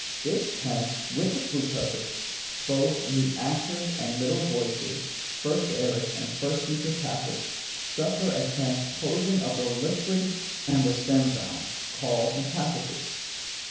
t This tense with the pluperfect, both in the active and middle voices, 1st aorist and 1st future passive, suffer a transposing of the liquid and the stem vowel (called Metathesis).